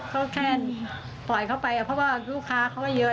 ก็แค่ปล่อยเขาไปเพราะว่าลูกค้าเขาไม่เยอะ